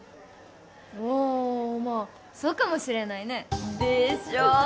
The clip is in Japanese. ああまあそうかもしれないねでしょ？